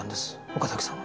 岡崎さんは。